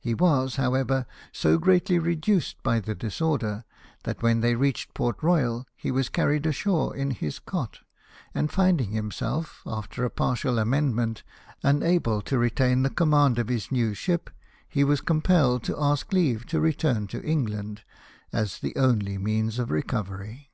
He was, however, so greatly reduced by the disorder, that when they reached Port Royal he was carried ashore in his cot ; and finding himself, after a partial amendment, unable to retain the command of his new ship, he was compelled to ask leave to return to England, as the only means of recoveiy.